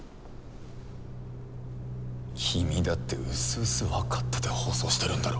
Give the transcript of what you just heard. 君だってうすうす分かってて放送してるんだろ。